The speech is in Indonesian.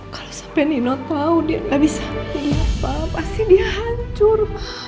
kalo sampe nino tau dia gak bisa ngapain apa pasti dia hancur